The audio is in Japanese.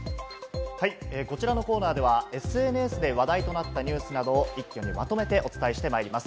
こちらのコーナーではＳＮＳで話題となったニュースなどを一挙にまとめてお伝えしてまいります。